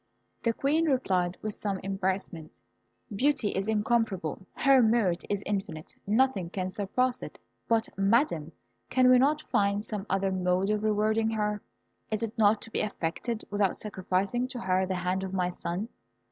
The Queen replied with some embarrassment, "Beauty is incomparable! Her merit is infinite; nothing can surpass it; but, madam, can we not find some other mode of rewarding her? Is it not to be effected without sacrificing to her the hand of my son?"